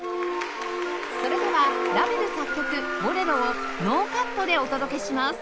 それではラヴェル作曲『ボレロ』をノーカットでお届けします